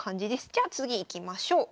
じゃあ次いきましょう。